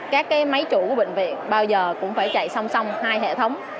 các máy chủ của bệnh viện bao giờ cũng phải chạy song song hai hệ thống